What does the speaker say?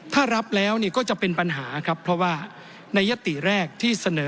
ถ้ารับแล้วก็จะเป็นปัญหาครับเพราะว่าในยติแรกที่เสนอ